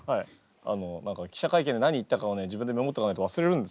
記者会見で何言ったかをね自分でメモっとかないと忘れるんです。